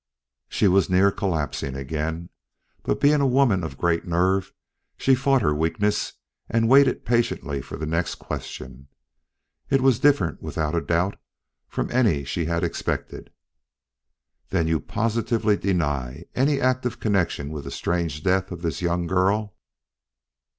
She was near collapsing again; but being a woman of great nerve, she fought her weakness and waited patiently for the next question. It was different, without doubt, from any she had expected. "Then you positively deny any active connection with the strange death of this young girl?"